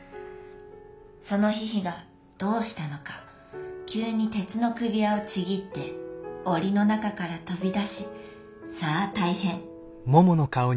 そのヒヒがどうしたのか急に鉄の首輪をちぎっておりの中から飛び出しさあ大変」。